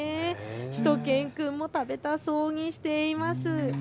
しゅと犬くんも食べたそうにしています。